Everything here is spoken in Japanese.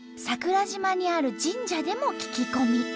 桜島にある神社でも聞き込み。